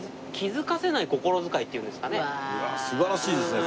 素晴らしいですね